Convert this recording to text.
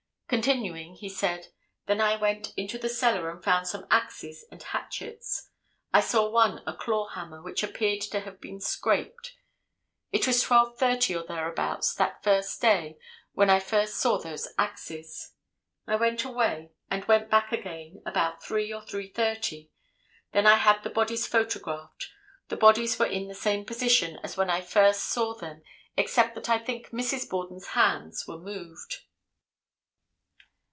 Continuing he said: "Then I went into the cellar and found some axes and hatchets; I saw one a claw hammer, which appeared to have been scraped. It was 12:30 or thereabouts that first day when I first saw those axes; I went away and went back again about 3 or 3:30; then I had the bodies photographed; the bodies were in the same position as when I first saw them except that I think Mrs. Borden's hands were moved."